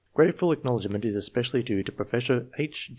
Grateful acknowledgment is especially due to Professor H.